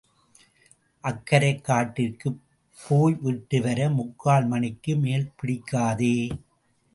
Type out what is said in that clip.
அக்கரைக் காட்டிற்குப் போய்விட்டுவர முக்கால் மணிக்கு மேல் பிடிக்காதே?